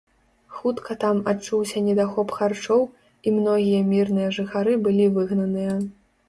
Хутка там адчуўся недахоп харчоў, і многія мірныя жыхары былі выгнаныя.